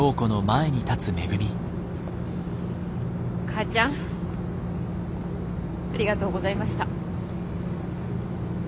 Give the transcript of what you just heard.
母ちゃんありがとうございました。